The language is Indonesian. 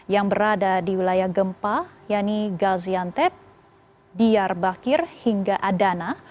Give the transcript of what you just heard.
yang berada di wilayah gempa yaitu gaziantep diyar bakir hingga adana